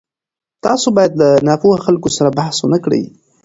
تاسو باید له ناپوهه خلکو سره بحث ونه کړئ.